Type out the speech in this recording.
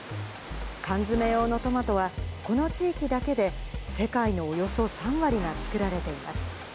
缶詰用のトマトは、この地域だけで、世界のおよそ３割が作られています。